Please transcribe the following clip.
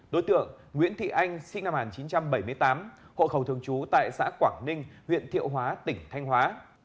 đối tượng nguyễn thị anh sinh năm một nghìn chín trăm bảy mươi tám hộ khẩu thường trú tại xã quảng ninh huyện thiệu hóa tỉnh thanh hóa